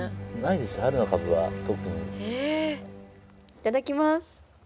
いただきます。